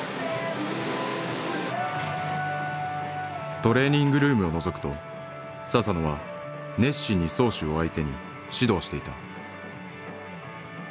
トレーニングルームをのぞくと佐々野は熱心に漕手を相手に指導していた。